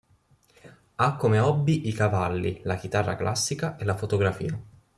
Ha come hobby i cavalli, la chitarra classica e la fotografia.